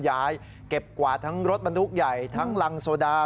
เก็บกวาดทั้งรถบรรทุกใหญ่ทั้งรังโซดา